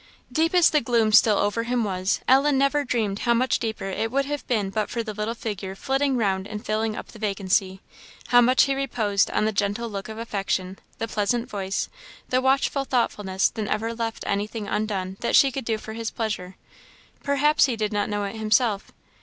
Deep as the gloom still over him was, Ellen never dreamed how much deeper it would have been but for the little figure flitting round and filling up the vacancy; how much he reposed on the gentle look of affection, the pleasant voice, the watchful thoughtfulness that never left anything undone that she could do for his pleasure. Perhaps he did not know it himself.